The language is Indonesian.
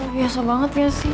biasa banget ya sih